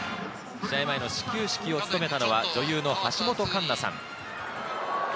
試合前の始球式を務めたのは女優の橋本環奈さん。